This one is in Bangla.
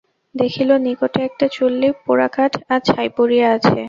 দেখিল, নিকটে একটা চুল্লি, পোড়া কাঠ আর ছাই পড়িয়া আছে।